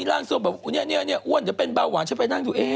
อันนี้อ้วนจะเป็นเบาหวานฉันไปนั่งดู